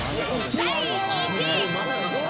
第１位。